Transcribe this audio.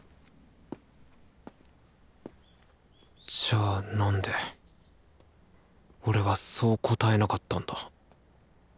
じゃあなんで俺はそう答えなかったんだ？